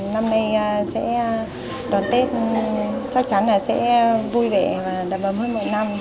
năm nay sẽ đón tết chắc chắn là sẽ vui vẻ và đảm bảo hơn một năm